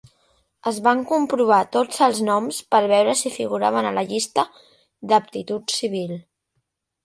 Es van comprovar tots els noms per veure si figuraven a la llista d'aptitud civil.